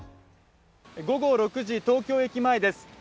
午後６時東京駅前です。